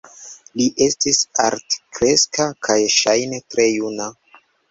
Li estis altkreska kaj ŝajne tre juna.